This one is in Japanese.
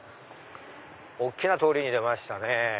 大きな通りに出ましたね。